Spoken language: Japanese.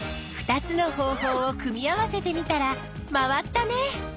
２つの方法を組み合わせてみたら回ったね。